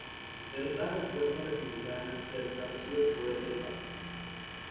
Derrotadas las fuerzas republicanas, se restableció el poder del Papa.